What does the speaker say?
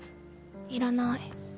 いらない。